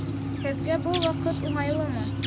Һеҙгә был ваҡыт уңайлымы?